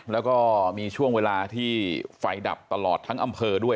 แล้วก็มีช่วงเวลาที่ไฟดับตลอดทั้งอำเภอด้วย